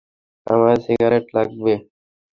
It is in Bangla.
আমার সিগারেট লাগবে।